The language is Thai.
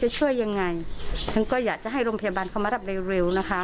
ฉันก็อยากจะให้โรงพยาบาลเขามารับเร็วนะคะ